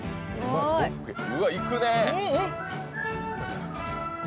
うわ、いくね。